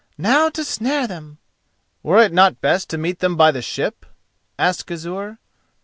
Now to snare them." "Were it not best to meet them by the ship?" asked Gizur.